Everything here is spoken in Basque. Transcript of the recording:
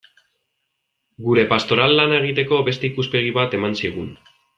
Gure pastoral lana egiteko beste ikuspegi bat eman zigun.